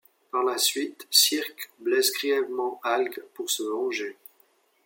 Par la suite, Sirk blesse grièvement Halg pour se venger.